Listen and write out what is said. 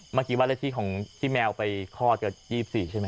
เมื่อกี้วันละที่ของแมวไปคลอดก็๒๔ใช่ไหม